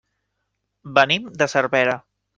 Venim de Cervera.